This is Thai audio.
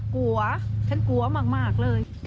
กลัวฉันกลัวมากเลย